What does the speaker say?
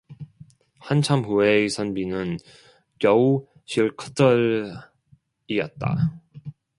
한참 후에 선비는 겨우 실끝을 이었다.